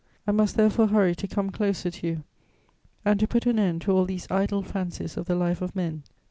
I must therefore hurry to come closer to you and to put an end to all these idle fancies of the life of men.